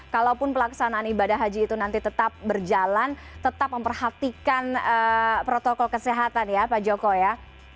kalaupun pelaksanaan ibadah haji itu nanti tetap berjalan tetap memperhatikan protokol kesehatan ya pak joko ya